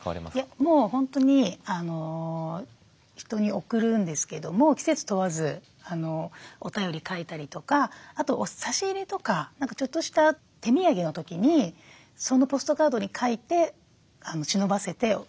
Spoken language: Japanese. もう本当に人に送るんですけども季節問わずお便り書いたりとかあと差し入れとかちょっとした手土産の時にそのポストカードに書いてしのばせてお渡ししますね。